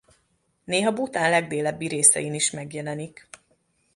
Néha Bhután legdélebbi részein is megjelenik.